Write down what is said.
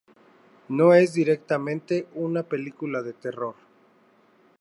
No es directamente una película de terror.